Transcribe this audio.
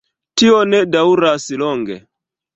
Tio ne daŭras longe.